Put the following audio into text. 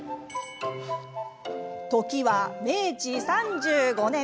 時は明治３５年。